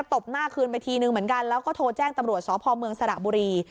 บหน้าคืนไปทีนึงเหมือนกันแล้วก็โทรแจ้งตำรวจสพเมืองสระบุรี